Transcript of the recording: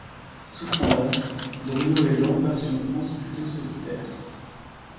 Souffrant d'asthme, Bruno Edan passe une enfance plutôt solitaire.